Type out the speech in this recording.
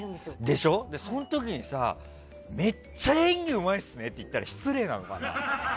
でしょ、その時にさめっちゃ演技うまいっすねって言ったら失礼なのかな？